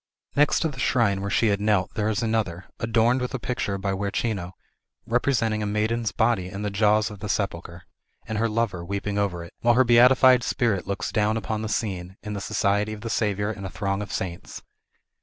Next to the shrine where she had knelt there is another, adorned with a picture by Guercino, representing a maiden's body in the jaws of the sepulchre, and her lover weeping over it; while her beatified spirit looks down upon the scene, in the society of the Saviour and a throng of saints.